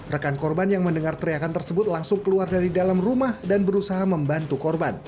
rekan korban yang mendengar teriakan tersebut langsung keluar dari dalam rumah dan berusaha membantu korban